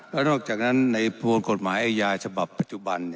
และนอกจากนั้นในประโยชน์กฎหมายอายาฉบับปัจจุบัน